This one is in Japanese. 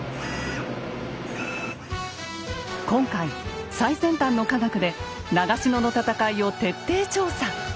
今回最先端の科学で長篠の戦いを徹底調査。